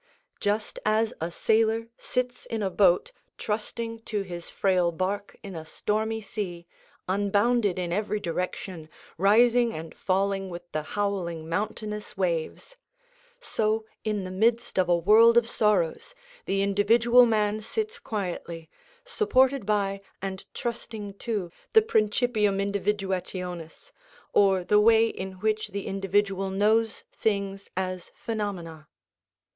Just as a sailor sits in a boat trusting to his frail barque in a stormy sea, unbounded in every direction, rising and falling with the howling mountainous waves; so in the midst of a world of sorrows the individual man sits quietly, supported by and trusting to the principium individuationis, or the way in which the individual knows things as phenomena.